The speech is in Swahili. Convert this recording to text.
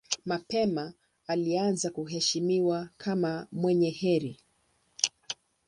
Mapema alianza kuheshimiwa kama mwenye heri.